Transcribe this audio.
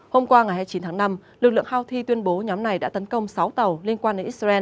hôm qua ngày hai mươi chín tháng năm lực lượng houthi tuyên bố nhóm này đã tấn công sáu tàu liên quan đến israel